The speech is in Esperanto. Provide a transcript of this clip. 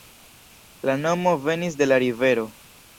La nomo venis de la rivero.